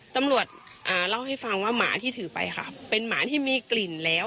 ตำรวจเล่าให้ฟังว่าหมาที่ถือไปค่ะเป็นหมาที่มีกลิ่นแล้ว